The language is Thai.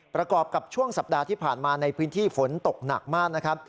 ประกอบกับช่วงสัปดาห์ที่ผ่านมาในพื้นที่ฝนตกหนักมากนะครับ